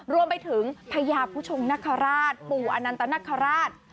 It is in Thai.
รวมไปถึงพญาผู้ชมนคราชปู่อนันตนคราช